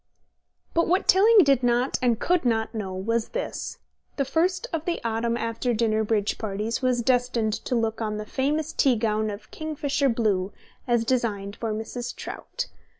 But what Tilling did not and could not know was that this, the first of the autumn after dinner bridge parties, was destined to look on the famous tea gown of kingfisher blue, as designed for Mrs. Trout.